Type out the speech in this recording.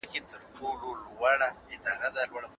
سندرې د ژوند کیفیت ښه کوي.